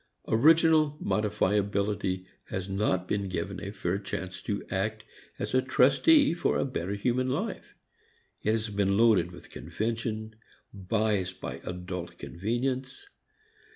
Original modifiability has not been given a fair chance to act as a trustee for a better human life. It has been loaded with convention, biased by adult convenience.